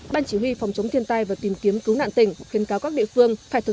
ban chỉ huy phòng chống thiên tai và tìm kiếm cứu nạn tỉnh khuyên cáo các địa phương phải thực